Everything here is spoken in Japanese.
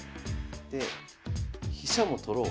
で飛車も取ろう。